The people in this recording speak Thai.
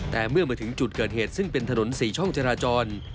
แต่เมื่อมาถึงจุดเกิดเหตุซึ่งเป็นถนน๔ช่องจราจร